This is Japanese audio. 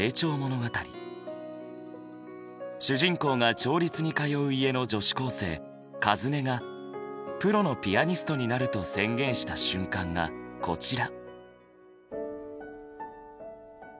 主人公が調律に通う家の女子高生和音がプロのピアニストになると宣言した瞬間がこちら。